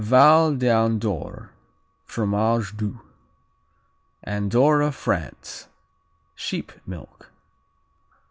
Val d'Andorre, Fromage du Andorra, France Sheep milk.